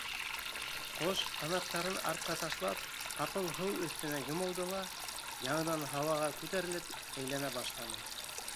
Ҡош ҡанаттарын артҡа ташлап, ҡапыл һыу өҫтөнә йомолдо ла, яңынан һауаға күтәрелеп, әйләнә башланы.